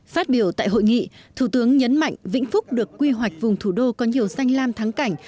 phát biểu tại hội nghị thủ tướng nhấn mạnh vĩnh phúc được quy hoạch vùng thủ đô có nhiều xanh lam thắng cảnh